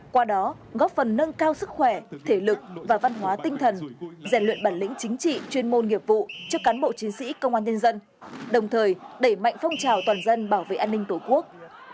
qua đó góp phần nâng cao sức khỏe thể lực và văn hóa tinh thần rèn luyện bản lĩnh chính trị chuyên môn nghiệp vụ cho cán bộ chiến sĩ công an nhân dân đồng thời đẩy mạnh phong trào toàn dân bảo vệ an ninh tổ quốc